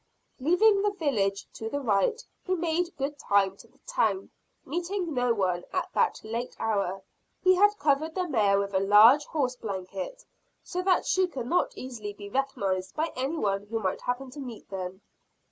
Leaving the village to the right, he made good time to the town, meeting no one at that late hour. He had covered the mare with a large horse blanket, so that she should not easily be recognized by any one who might happen to meet them.